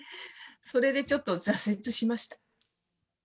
それでちょっと挫折しました。